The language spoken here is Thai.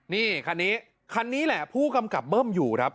นี่คันนี้คันนี้แหละผู้กำกับเบิ้มอยู่ครับ